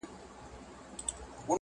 چي دا وجود نه د استعمارګر ارزښت دی